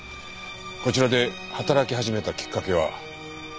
こちらで働き始めたきっかけは？